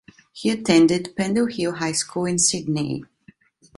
He attended Pendle Hill High School in Sydney.